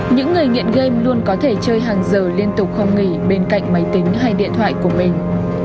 những người nghiện game luôn có thể chơi hàng giờ liên tục không nghỉ bên cạnh máy tính hay điện thoại của mình